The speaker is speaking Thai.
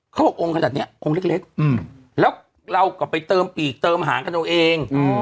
เขาบอกองค์ขนาดนี้องค์เล็กแล้วเราก็ไปเติมปีกเติมหางกันเอาเอง